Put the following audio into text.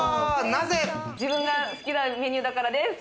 自分が好きなメニューだからです。